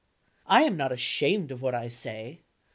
I am not ashamed of what I say.